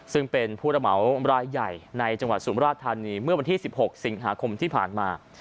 ซึ่งเป็นผู้ระเหมารายใหญ่ในจังหวัดสุมราชธานีเมื่อวันที่๑๖สิงหาคมที่ผ่านมา